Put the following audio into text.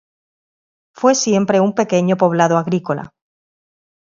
Fue siempre un pequeño poblado agrícola.